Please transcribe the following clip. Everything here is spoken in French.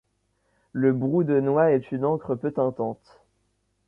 Le brou de noix est une encre peu teintante.